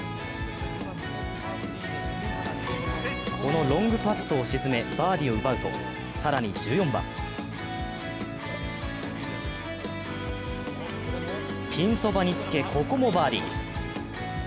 このロングパットを沈めバーディーを奪うと、更に１４番ピンそばにつけここもバーディー。